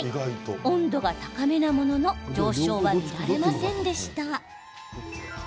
温度が高めなものの上昇は見られませんでした。